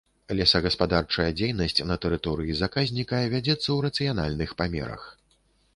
Лесагаспадарчая дзейнасць на тэрыторыі заказніка вядзецца ў рацыянальных памерах.